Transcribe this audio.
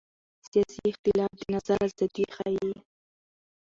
سیاسي اختلاف د نظر ازادي ښيي